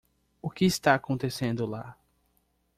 O que está acontecendo lá?